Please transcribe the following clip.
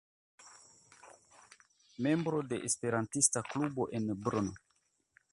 Membro de Esperantista klubo en Brno.